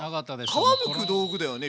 皮むく道具だよね？